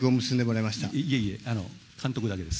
いえいえ、監督だけです。